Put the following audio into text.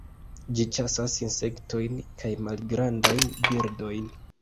Ĝi ĉasas insektojn kaj malgrandajn birdojn.